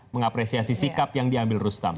mengapresiasi sikap yang diambil rustam